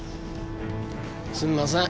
すんません。